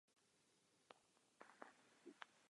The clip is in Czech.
Toto místo nebylo vybráno náhodně.